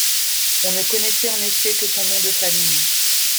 On ne connaissait en effet que son nom de famille.